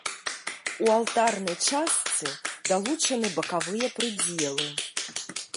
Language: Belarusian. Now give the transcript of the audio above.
У алтарнай частцы далучаны бакавыя прыдзелы.